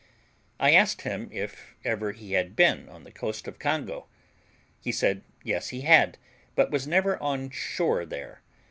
I asked him if ever he had been on the coast of Congo. He said, yes, he had, but was never on shore there.